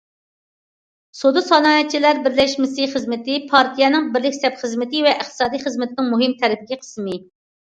سودا- سانائەتچىلەر بىرلەشمىسى خىزمىتى پارتىيەنىڭ بىرلىك سەپ خىزمىتى ۋە ئىقتىساد خىزمىتىنىڭ مۇھىم تەركىبىي قىسمى.